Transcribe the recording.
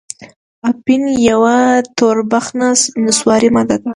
اپین یوه توربخنه نسواري ماده ده.